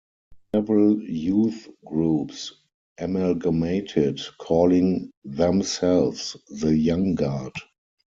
Several youth groups amalgamated, calling themselves the "Young Guard".